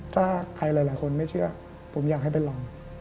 ถ้าใครหลายคนไม่เชื่อผมอยากให้ไปลอง